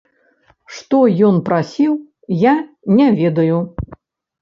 Што ён прасіў, я не ведаю.